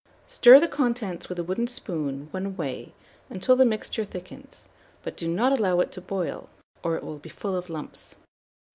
Stir the contents with a wooden spoon one way until the mixture thickens, but do not allow it to boil, or it will be full of lumps.